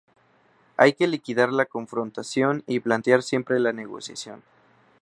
Hay que liquidar la confrontación y plantear siempre la negociación.